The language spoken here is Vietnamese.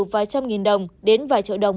vài trăm nghìn đồng đến vài trợ đồng